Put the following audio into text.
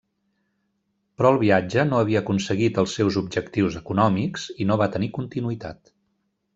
Però el viatge no havia aconseguit els seus objectius econòmics i no va tenir continuïtat.